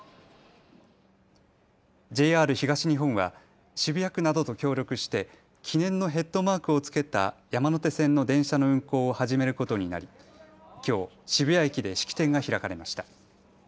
ＪＲ東日本は渋谷区などと協力して記念のヘッドマークを付けた山手線の電車の運行を始めることになり、きょう渋谷駅で式典が開かれました。